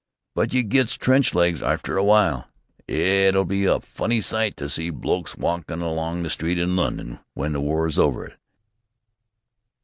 But you gets trench legs arter a w'ile. It'll be a funny sight to see blokes walkin' along the street in Lunnon w'en the war's over.